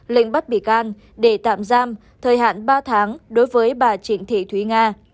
lệnh bắt bị can để tạm giam thời hạn ba tháng đối với bà trịnh thị thúy nga